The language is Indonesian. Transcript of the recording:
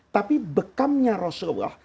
tapi bekamnya rasulullah